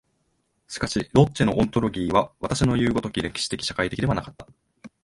しかしロッチェのオントロギーは私のいう如き歴史的社会的ではなかった。